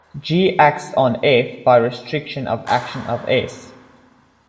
"G" acts on "F" by restriction of action of "S".